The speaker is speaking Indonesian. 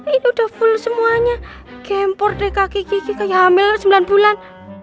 ini udah full semuanya kempor deh kaki kiki kayak hamil sembilan bulan